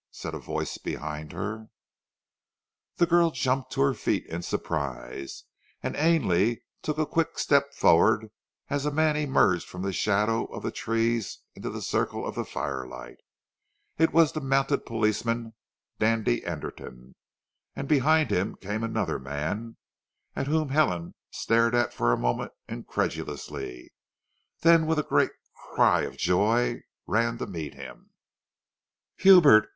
said a voice behind her. The girl jumped to her feet in surprise. And Ainley took a quick step forward as a man emerged from the shadow of the trees into the circle of the firelight. It was the mounted policeman, Dandy Anderton, and behind him came another man at whom Helen stared for a moment incredulously, then with a great cry of joy ran to meet him. "Hubert!